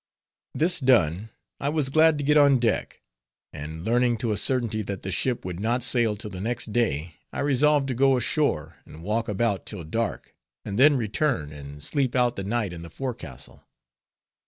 This done, I was glad to get on deck; and learning to a certainty that the ship would not sail till the next day, I resolved to go ashore, and walk about till dark, and then return and sleep out the night in the forecastle.